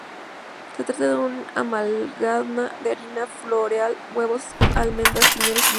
Se trata de una amalgama de harina floreal, huevos, almendras, piñones y miel.